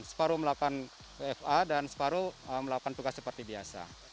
melakukan pfa dan separuh melakukan tugas seperti biasa